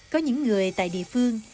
có những người tại địa phương